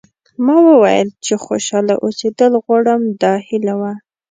ما وویل چې خوشاله اوسېدل غواړم دا هیله وه.